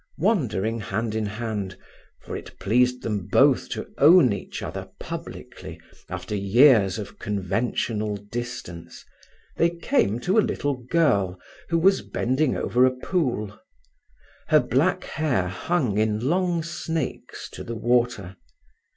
Wandering hand in hand, for it pleased them both to own each other publicly, after years of conventional distance, they came to a little girl who was bending over a pool. Her black hair hung in long snakes to the water.